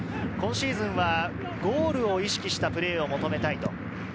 今シーズンはゴールを意識したプレーを求めたいと。